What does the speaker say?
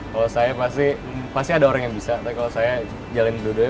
kalau saya pasti ada orang yang bisa tapi kalau saya jalanin dulu duanya